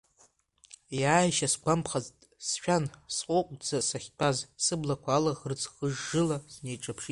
Иааишьа сгәамԥхазт, сшәан, сҟәыҟәӡа сахьтәаз, сыблақәа алаӷырӡ хыжжыла снеиҿаԥшит.